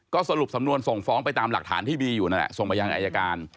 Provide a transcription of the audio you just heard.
ก็สรุปสำนวนส่งฟ้องไปตามหลักฐานที่มีอยู่นั่นแหละส่งมายังอายการ